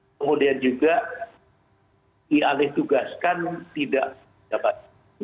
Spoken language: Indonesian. kemudian juga dialih tugaskan tidak dapat